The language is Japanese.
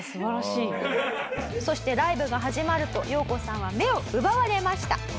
そしてライブが始まるとヨウコさんは目を奪われました。